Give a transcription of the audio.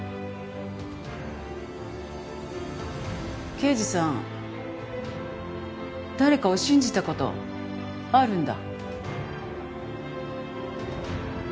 刑事さん誰かを信じた事あるんだ？